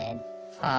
ああ